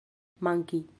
manki